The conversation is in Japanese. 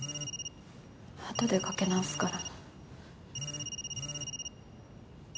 後でかけ直すから。